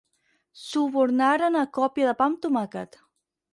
Subornaren a còpia de pa amb tomàquet.